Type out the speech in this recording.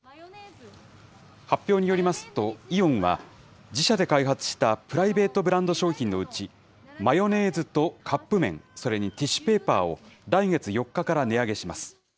発表によりますと、イオンは自社で開発したプライベートブランド商品のうち、マヨネーズとカップ麺、それにティッシュペーパーを来月４日から値上げします。